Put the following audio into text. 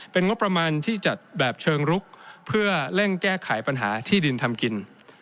เป็นงบประมาณที่จัดแบบเชิงรุกเพื่อเร่งแก้ไขปัญหาที่ดินทำกิน